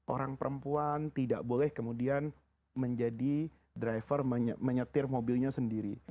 orang perempuan tidak boleh kemudian menjadi driver menyetir mobilnya sendiri